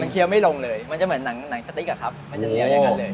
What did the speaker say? มันเคี้ยวไม่ลงเลยมันจะเหมือนหนังหนังสติ๊กอะครับมันจะเหนียวยังกันเลย